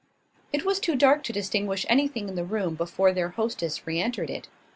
It was too dark to distinguish anything in the room before their hostess re entered it.